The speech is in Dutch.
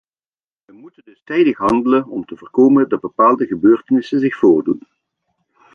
We moeten dus tijdig handelen om te voorkomen dat bepaalde gebeurtenissen zich voordoen.